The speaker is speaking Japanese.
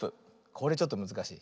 これちょっとむずかしい。